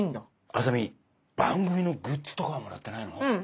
麻美番組のグッズとかはもらってないの？